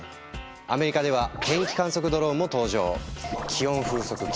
アメリカでは天気観測ドローンも登場。